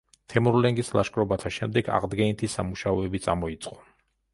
თემურლენგის ლაშქრობათა შემდეგ აღდგენითი სამუშაოები წამოიწყო.